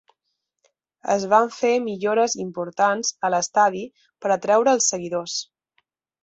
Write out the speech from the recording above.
Es van fer millores importants a l'estadi per atraure els seguidors.